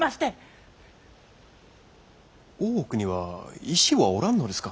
大奥には医師はおらんのですか？